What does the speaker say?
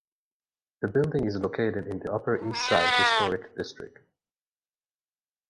The building is located in the Upper East Side Historic District.